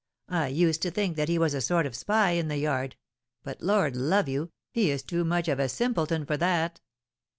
I used to think that he was a sort of spy in the yard; but, Lord love you, he is too much of a simpleton for that!"